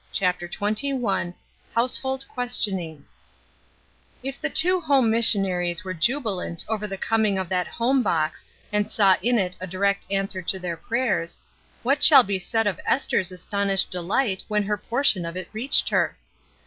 CHAPTER XXI HOUSEHOLD QUESTIONINGS IF the two home missionaries were jubilant over the coming of that home box and saw in it a direct answer to their prayers, what shall be said of Esther's astonished delight when her portion of it reached her